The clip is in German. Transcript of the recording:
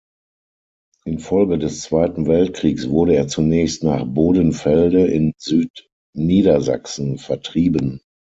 Infolge des Zweiten Weltkriegs wurde er zunächst nach Bodenfelde in Südniedersachsen vertrieben.